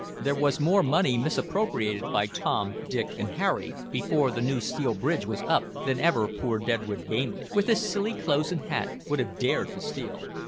There was more money misappropriated by Tom, Dick and Harry, before the new steel bridge was up than ever poor Deadwood Gamely, with his silly clothes and hat, would have dared to steal.